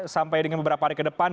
sampai dengan beberapa hari ke depan